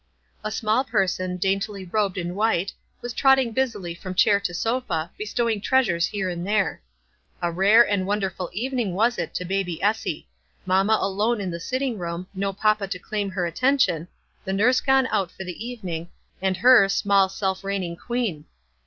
A small person, daintily robed in white, was trotting busily from chair to sofa t bestowing treasures here and there. A rar« and wonderful evening was it to baby Essie, Mamma alone in the sitting room, no papa to claim her attention, the nurse gone out for the evening, and her small self reigning queen.